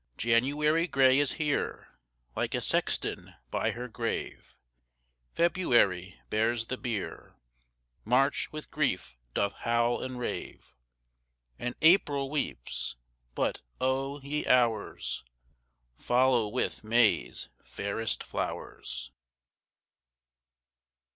4. January gray is here, Like a sexton by her grave; _20 February bears the bier, March with grief doth howl and rave, And April weeps but, O ye Hours! Follow with May's fairest flowers.